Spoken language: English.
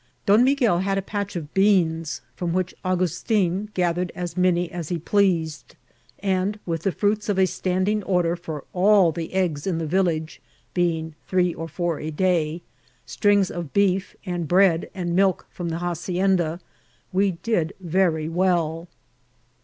Doa Miguel had a patch of beans, from which Augustin gathered as many as he pleased, and, with the fruits of a standing order for all the eggs in the village, being three or four a day, strings of beef, and bread and milk from the hacienda, we did very well.